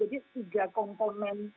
jadi tiga komponen